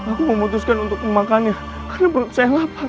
aku memutuskan untuk memakannya karena perut saya lapar